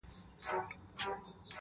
هغه د هر مسجد و څنگ ته ميکدې جوړي کړې.